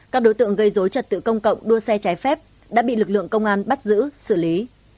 các đối tượng gây dối trật tự công cộng đua xe trái phép đã bị lực lượng công an bắt giữ xử lý